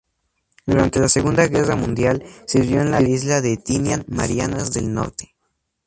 Durante la Segunda Guerra Mundial, sirvió en la isla de Tinian, Marianas del Norte.